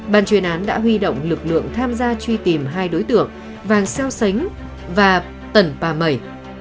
bàn truyền án đã huy động lực lượng tham gia truy tìm hai đối tượng vàng xeo xánh và tần pa mẩy